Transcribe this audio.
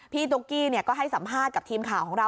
ตุ๊กกี้ก็ให้สัมภาษณ์กับทีมข่าวของเรา